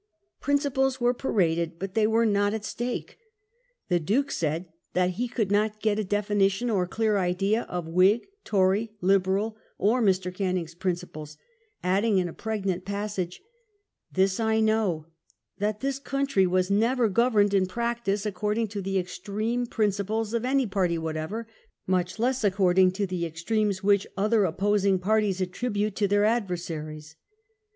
Principles were paraded, but they were not at stake. The Duke said that he could not get a definition or clear idea of Whig, Tory, Liberal, or Mr. Canning's principles; adding in a pregnant passage — "This I know, that this country was never governed, in practice, according to the extreme principles of any party whatever; much less according to the extremes which other opposing parties attribute to their adver saries."